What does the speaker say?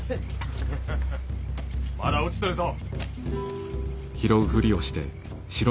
まだ落ちとるぞ。